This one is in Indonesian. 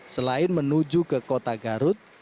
selain menuju ke kota garut